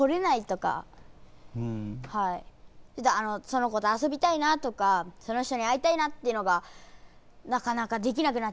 その子とあそびたいなとかその人に会いたいなっていうのがなかなかできなくなっちゃったり。